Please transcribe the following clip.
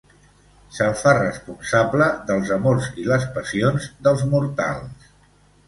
Se'l fa responsable dels amors i les passions dels mortals.